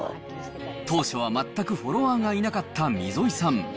当初は全くフォロワーがいなかった溝井さん。